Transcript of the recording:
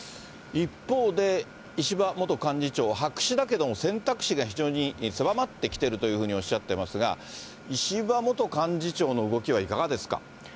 一方で、石破元幹事長、白紙だけれども、選択肢が非常に狭まってきているというふうにおっしゃってますが、石破元幹事長の動きはいかがですか。